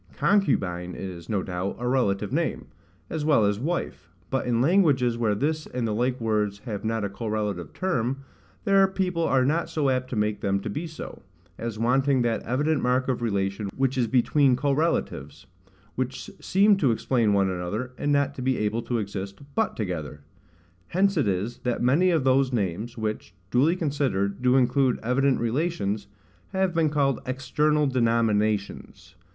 CONCUBINE is, no doubt, a relative name, as well as wife: but in languages where this and the like words have not a correlative term, there people are not so apt to take them to be so, as wanting that evident mark of relation which is between correlatives, which seem to explain one another, and not to be able to exist, but together. Hence it is, that many of those names, which, duly considered, do include evident relations, have been called EXTERNAL DENOMINATIONS.